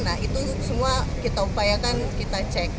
nah itu semua kita upayakan kita cek